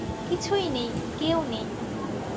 কিছুই নেই, কেউ নেই!